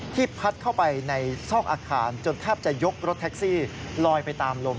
พัดเข้าไปในซอกอาคารจนแทบจะยกรถแท็กซี่ลอยไปตามลม